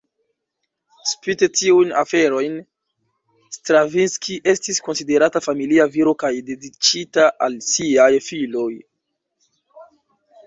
Spite tiujn aferojn, Stravinski estis konsiderata familia viro kaj dediĉita al siaj filoj.